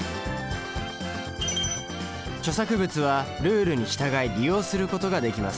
著作物はルールに従い利用することができます。